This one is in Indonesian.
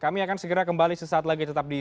kami akan segera kembali sesaat lagi tetap di